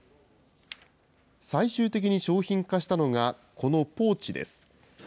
最終的に商品化したのが、このポーチです。